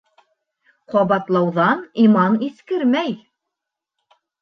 Ҡабатлауҙан иман иҫкермәй.